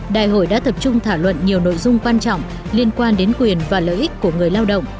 đại hội đã tập trung thảo luận nhiều nội dung quan trọng liên quan đến quyền và lợi ích của người lao động